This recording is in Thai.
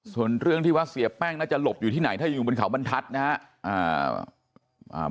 ส่วนเรื่องที่ว่าเสียแป้งน่าจะหลบอยู่ที่ไหนถ้ายังอยู่บนเขาบรรทัศน์นะครับ